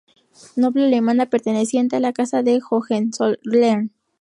Noble alemana, perteneciente a la Casa de Hohenzollern.